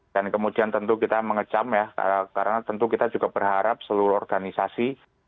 dan kemudian tentu kita mengecam ya karena tentu kita juga berharap seluruh organisasi